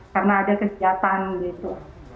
karena ada kesejahteraan gitu